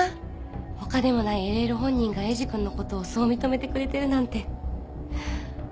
他でもないＬＬ本人がエイジ君のことをそう認めてくれてるなんて。